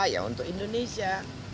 ya untuk indonesia